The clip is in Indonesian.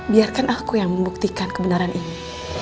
biarkan aku yang membuktikan kebenaran ini